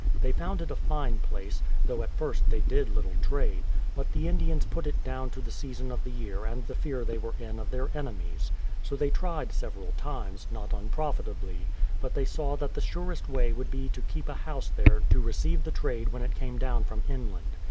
They found it a fine place, though at first they did little trade; but the Indians put it down to the season of the year and the fear they were in of their enemies. So they tried several times, not unprofit ably; but they saw that the surest way would be to keep a house there to receive the trade when it came down from inland.